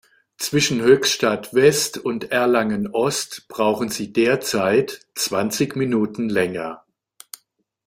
Zwischen Höchstadt-West und Erlangen-Ost brauchen Sie derzeit zwanzig Minuten länger.